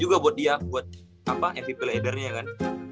juga buat dia buat apa mvp ladernya ya kan